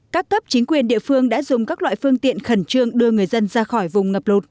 các cấp chính quyền địa phương đã dùng các loại phương tiện khẩn trương đưa người dân ra khỏi vùng ngập lụt